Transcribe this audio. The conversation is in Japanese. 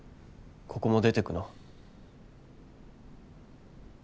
ここも出てくの？